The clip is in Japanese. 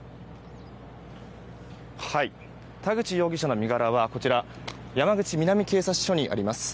田口容疑者の身柄はこちら山口南警察署にあります。